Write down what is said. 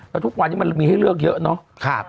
แล้วทุกวันนี้มันมีให้เลือกเยอะเนาะ